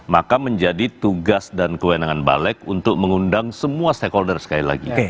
maka menjadi tugas dan kewenangan balik untuk mengundang semua stakeholder sekali lagi